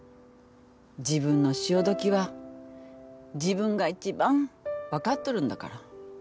自分の潮時は自分が一番分かっとるんだから。